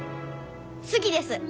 好きです。